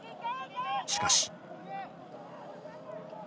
しかし。